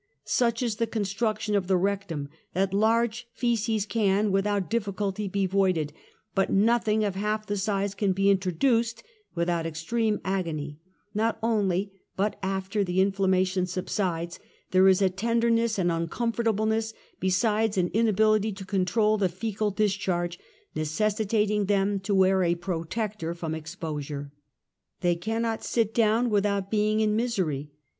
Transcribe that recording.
Such is the con struction of the rectum that large foeces can, without difficulty, he voided, but nothing of half the size can be introduced without extreme agony, not only, but after the inflammation subsides there is a tender ness and uncomfortableness besides an inability to control the foecal discharge, necessitating them to wear a protector from exposure. They cannot sit down without being in misery.